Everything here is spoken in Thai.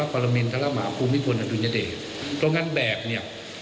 เพราะงั้นแบบเนี่ย